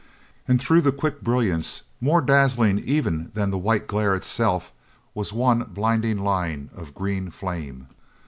And through the quick brilliance, more dazzling even than the white glare itself, was one blinding line of green flame.